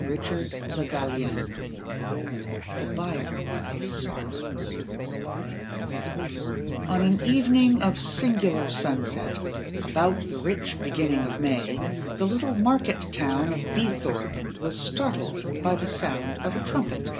THE BUYER OF SORROWS On an evening of singular sunset, about the rich beginning of May, the little market town of Beethorpe was startled by the sound of a trumpet.